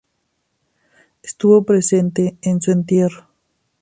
Estuvo presente en su entierro.